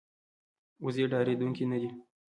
وزې ډارېدونکې نه وي